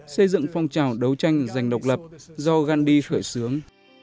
xây dựng phong trào đấu tranh giành độc lập do gandhi khởi xướng